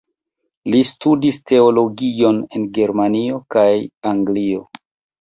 Li studis teologion en Germanio kaj Anglio.